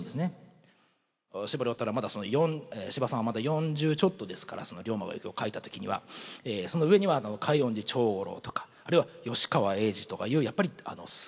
司馬太郎はまだ司馬さんはまだ四十ちょっとですからその「竜馬がゆく」を書いた時には。その上には海音寺潮五郎とかあるいは吉川英治とかいうやっぱりすごい大きな名前があった。